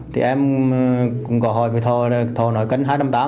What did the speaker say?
thì em cũng gọi hỏi với thọ thọ nói cân hai trăm năm mươi tám